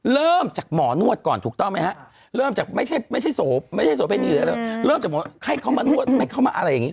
คนเหมือนเหมือนอาคมหมดเนื้อหมดตัวยเยอะเพราะอะไรคนมันเหงา